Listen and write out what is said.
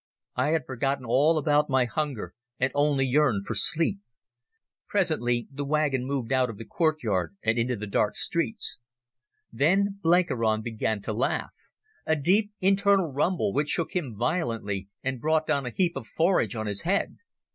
I had forgotten all about my hunger, and only yearned for sleep. Presently the wagon moved out of the courtyard into the dark streets. Then Blenkiron began to laugh, a deep internal rumble which shook him violently and brought down a heap of forage on his head.